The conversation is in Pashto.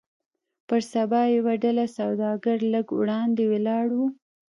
پر سبا يوه ډله سوداګر لږ وړاندې ولاړ وو.